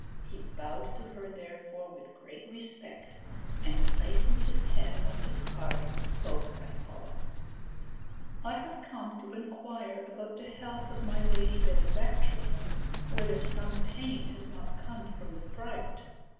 He bowed to her therefore with great respect, and placing his hand on his heart spoke as follows: "I have come to inquire about the health of my lady benefactress, whether some pain has not come from the fright.